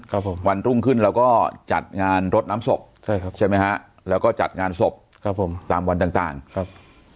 ครับผมวันรุ่งขึ้นเราก็จัดงานรดน้ำศพใช่ครับใช่ไหมฮะแล้วก็จัดงานศพครับผมตามวันต่างต่างครับ